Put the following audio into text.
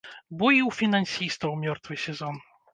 Бо і ў фінансістаў мёртвы сезон.